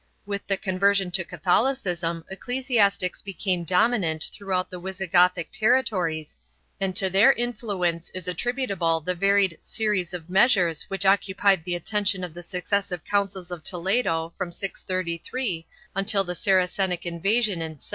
With the conversion to Cathol icism ecclesiastics became dominant throughout the Wisigothic territories and to their influence is attributable the varied series of measures which occupied the attention of the successive councils of Toledo from 633 until the Saracenic invasion in 711.